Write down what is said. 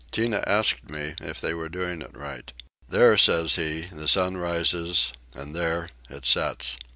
Tinah asked me if they were doing right? "There," says he, "the sun rises and there it sets."